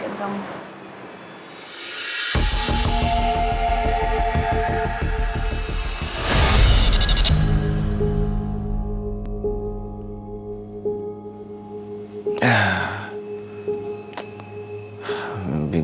anak gue juga